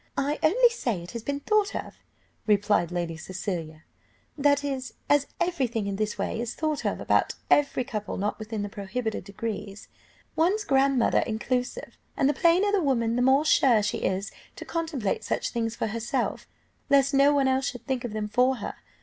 "I only say it has been thought of," replied Lady Cecilia; "that is, as every thing in this way is thought of about every couple not within the prohibited degrees, one's grandmother inclusive. And the plainer the woman, the more sure she is to contemplate such things for herself, lest no one else should think of them for her.